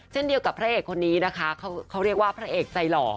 เช่นเดียวกับพระเอกคนนี้นะคะเขาเรียกว่าพระเอกใจหล่อ